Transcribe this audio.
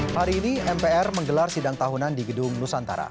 hari ini mpr menggelar sidang tahunan di gedung nusantara